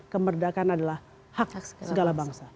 kemerdekaan adalah hak segala bangsa